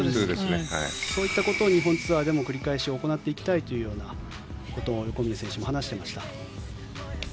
そういったことを日本ツアーでも繰り返し行っていきたいというようなことも横峯選手も話していました。